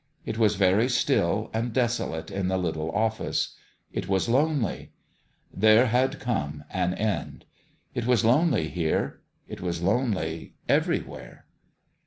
It was very still and desolate in the little office. It was lonely. There had come an end. It was lonely there it was lonely everywhere.